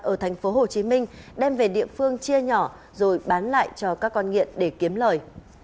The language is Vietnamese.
ở tp hcm đem về địa phương chia nhỏ rồi bán lại cho các con nghiện để kiếm lời